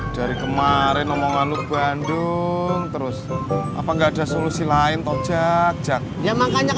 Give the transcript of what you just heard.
dari kemarin omonganut bandung terus apa enggak ada solusi lain tojak jak ya makanya